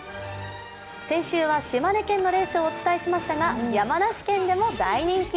先週は島根県のレースをお伝えしましたが、山梨県でも大人気。